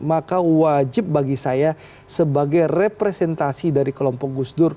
maka wajib bagi saya sebagai representasi dari kelompok gusdur